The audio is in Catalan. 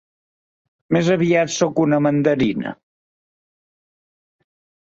Més aviat sóc una mandarina.